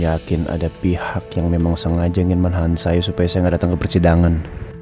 yakin ada pihak yang memang sengaja ingin menahan saya supaya saya nggak datang ke persidangan